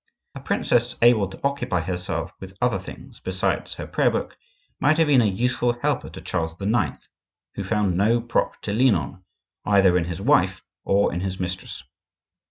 A princess able to occupy herself with other things besides her prayer book might have been a useful helper to Charles IX., who found no prop to lean on, either in his wife or in his mistress.